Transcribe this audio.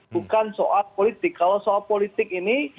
bukan soal politik kalau soal politik ini